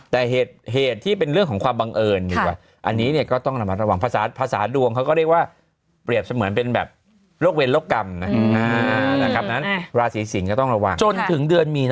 แต่เหตุที่เป็นเรื่องของความบังเอิญอันนี้เนี่ยก็ต้องระวังภาษาดวงเขาก็เรียกว่าเปรียบเหมือนเป็นแบบโรคเวลโรคกรรมนะครับนั้นลาศีสิงก็ต้องระวัง